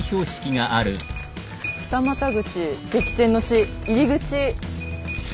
「二股口激戦之地入口」。